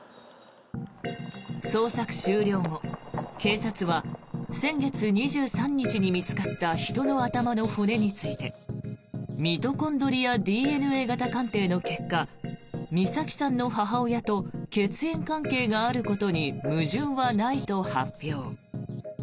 捜索終了後、警察は先月２３日に見つかった人の頭の骨についてミトコンドリアＤＮＡ型鑑定の結果美咲さんの母親と血縁関係があることに矛盾はないと発表。